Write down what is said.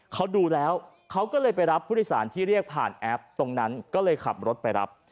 เขาดูแล้วเขาก็เลยไปรับผู้โดยสารที่เรียกผ่านแอปตรงนั้นก็เลยขับรถไปรับ